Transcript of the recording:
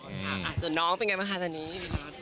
ส่วนน้องเป็นไงบ้างคะตอนนี้